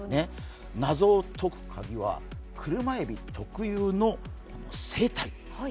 謎を解くカギは車えび特有の生態。